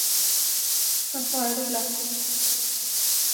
Han svarade glatt.